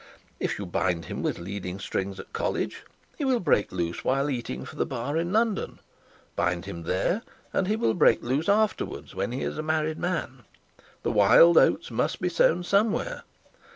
If you bind him with leading strings at college, he will break loose while eating for the bar in London; bind him there, and he will break loose afterwards, when he is a married man. The wild oats must be sown somewhere.